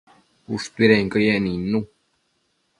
ushtuidenquio yec nidnu